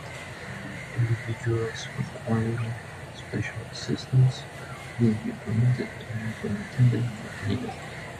Individuals requiring special assistance will be permitted to have an attendant accompany them.